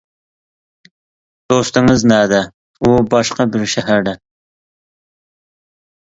-دوستىڭىز نەدە؟ -ئۇ باشقا بىر شەھەردە.